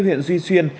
huyện duy xuyên